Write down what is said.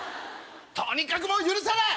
とにかくもう許さない！